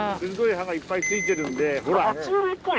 鋭い歯がいっぱいついてるんで。